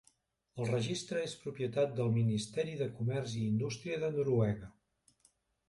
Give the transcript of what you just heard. El registre és propietat del Ministeri de Comerç i Indústria de Noruega.